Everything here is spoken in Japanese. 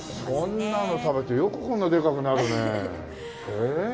そんなの食べてよくこんなでかくなるねえ。